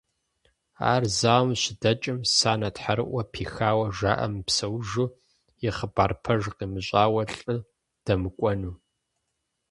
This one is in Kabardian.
Ар зауэм щыдэкӏым, Санэ тхьэрыӏуэ пихауэ жаӏэ мыпсэужу и хъыбар пэж къимыщӏауэ лӏы дэмыкӏуэну.